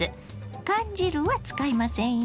缶汁は使いませんよ。